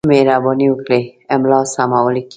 مهرباني وکړئ! املا سمه ولیکئ!